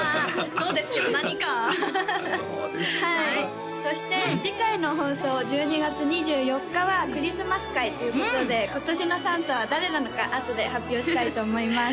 そうですかそして次回の放送１２月２４日はクリスマス回ということで今年のサンタは誰なのかあとで発表したいと思います